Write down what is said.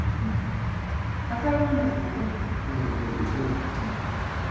赤色のは何でも置ける。